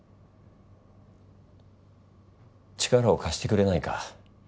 力を貸してくれないか。